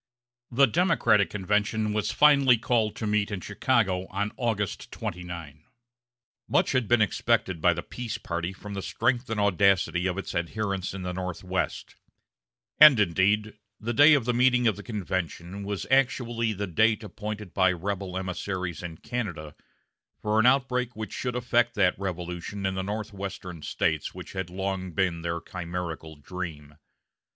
The Democratic convention was finally called to meet in Chicago on August 29. Much had been expected by the peace party from the strength and audacity of its adherents in the Northwest; and, indeed, the day of the meeting of the convention was actually the date appointed by rebel emissaries in Canada for an outbreak which should effect that revolution in the northwestern States which had long been their chimerical dream.